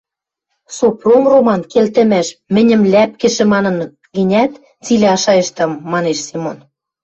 — Сопром Роман, келтӹмӓш, мӹньӹм ляпкӹшӹ манын гӹнят, цилӓ шайыштам, — манеш Семон.